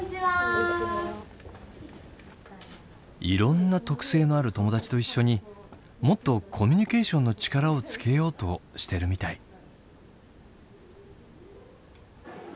いろんな特性のある友達と一緒にもっとコミュニケーションの力をつけようとしてるみたい。